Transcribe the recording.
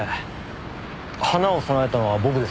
花を供えたのは僕ですよ。